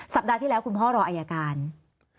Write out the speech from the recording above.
สัปดาห์ที่แล้วคุณพ่อรออายการ